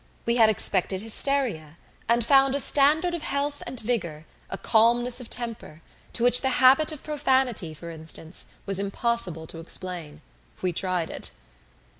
We had expected hysteria, and found a standard of health and vigor, a calmness of temper, to which the habit of profanity, for instance, was impossible to explain we tried it.